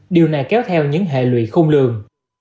điều này kéo theo những hệ lụy khung lường